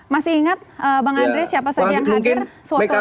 masih ingat bang andre siapa saja yang hadir